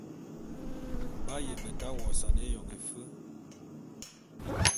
B'aye beta wosane éyon éfe.